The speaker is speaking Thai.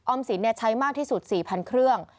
สินใช้มากที่สุด๔๐๐๐เครื่อง